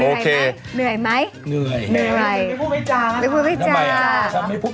โอเคเหนื่อยไหมเหนื่อยก็ไม่พบให้จากไม่พบ